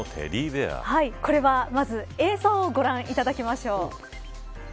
これはまず映像をご覧いただきましょう。